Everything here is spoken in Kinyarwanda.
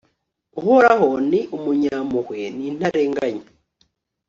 uhoraho ni umunyampuhwe n'intarenganya